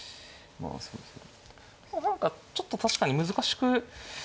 まあそうですね。